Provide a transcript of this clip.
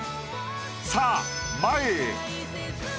さぁ前へ。